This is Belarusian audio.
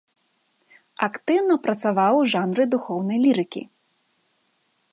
Актыўна працаваў у жанры духоўнай лірыкі.